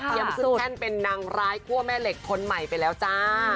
ขึ้นแท่นเป็นนางร้ายคั่วแม่เหล็กคนใหม่ไปแล้วจ้า